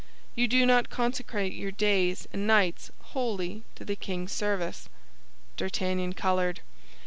You do not consecrate your days and nights wholly to the king's service." D'Artagnan colored.